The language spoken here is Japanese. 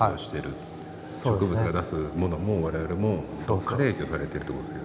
植物が出すものも我々もどこかで影響されてるという事ですよね。